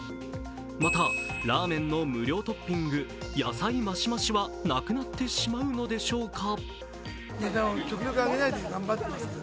また、ラーメンの無料トッピング、野菜増し増しはなくなってしまうのでしょうか。